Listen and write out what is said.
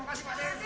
terima kasih pak